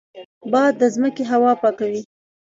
باد د ځمکې هوا پاکوي